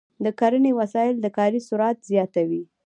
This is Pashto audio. د کرنې وسایل د کاري سرعت زیاتوي.